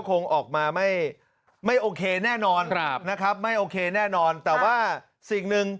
คงออกมาไม่ไม่โอเคแน่นอนครับนะครับไม่โอเคแน่นอนแต่ว่าสิ่งหนึ่ง